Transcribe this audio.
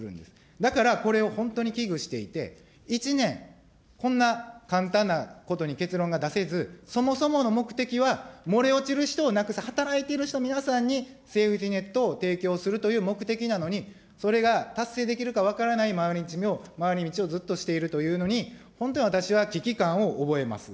だからこれを本当に危惧していて、１年、こんな簡単なことに結論が出せず、そもそもの目的は漏れ落ちる人をなくす、働いてる人皆さんにセーフティネットを提供するという目的なのに、それが達成できるか分からない回り道をずっとしているというのに、本当、私は危機感を覚えます。